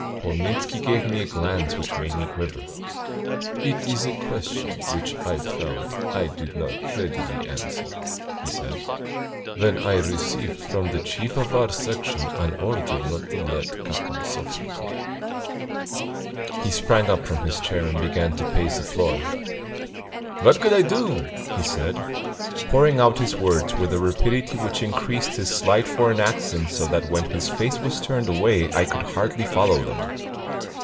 Polnitzski gave me a glance which made me quiver. "It is a question which I found I did not readily answer," he said, "when I received from the chief of our Section an order not to let Kakonzoff recover." He sprang up from his chair and began to pace the floor. "What could I do?" he said, pouring out his words with a rapidity which increased his slight foreign accent so that when his face was turned away I could hardly follow them.